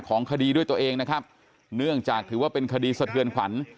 ของคดีด้วยตัวเองนะครับเนื่องจากถือว่าเป็นคดีสะเทือนขวัญ